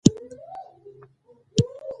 زه له ښو عادتو سره عادت کوم.